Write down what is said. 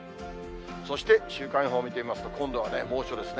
そして週間予報見てみますと、今度は猛暑ですね。